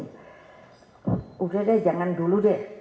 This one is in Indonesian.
sudah deh jangan dulu deh